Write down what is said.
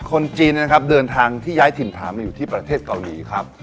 คนจีนนะครับเดินทางที่ย้ายถิ่นฐานมาอยู่ที่ประเทศเกาหลีครับ